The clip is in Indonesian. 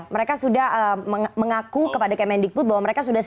mereka sudah mengaku kepada kemendikbud bahwa mereka sudah siap